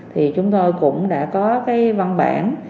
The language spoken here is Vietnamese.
thì chúng tôi cũng đã có cái văn bản